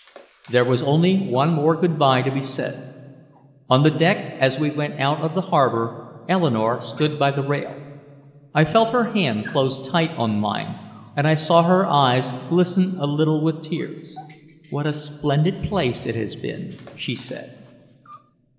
There was only one more good by to be said. On the deck, as we went out of the harbor, Eleanore stood by the rail. I felt her hand close tight on mine and I saw her eyes glisten a little with tears. "What a splendid place it has been," she said.